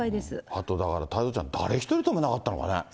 あと、だから太蔵ちゃん、誰一人止めなかったのかね。